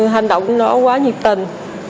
hành động nó quá nhiệt tình